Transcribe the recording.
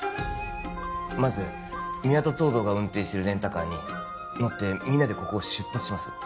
まず三輪と東堂が運転してるレンタカーに乗ってみんなでここを出発します